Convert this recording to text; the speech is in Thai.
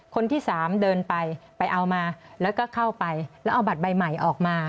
คนที่สามเดินไปไปเอามาแล้วก็เข้าไปแล้วเอาบัตรใบใหม่ออกมา